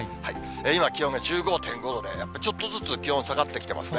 今、気温が１５．５度で、ちょっとずつ気温下がってきてますね。